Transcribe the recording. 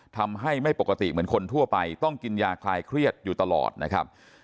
ทำให้ไม่ปกติเหมือนคนทั่วไปต้องกินยาคลายเครียดอยู่ตลอดนะครับ